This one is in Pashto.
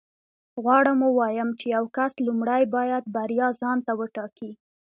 غواړم ووایم چې یو کس لومړی باید بریا ځان ته وټاکي